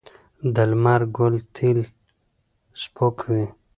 د لمر ګل تېل سپک وي.